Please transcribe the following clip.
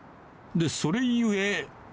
それゆえ。